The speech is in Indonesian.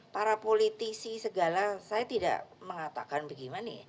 para politisi segala saya tidak mengatakan begini